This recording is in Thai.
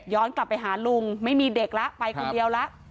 กลับไปหาลุงไม่มีเด็กแล้วไปคนเดียวแล้ว